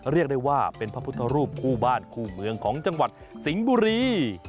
เรียกได้ว่าเป็นพระพุทธรูปคู่บ้านคู่เมืองของจังหวัดสิงห์บุรี